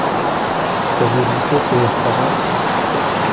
Qu’avez-vous fait pour leurs parents?